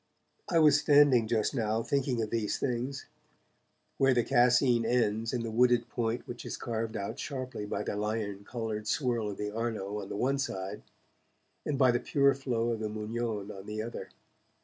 I was standing, just now, thinking of these things, where the Cascine ends in the wooded point which is carved out sharply by the lion coloured swirl of the Arno on the one side and by the pure flow of the Mugnone on the other.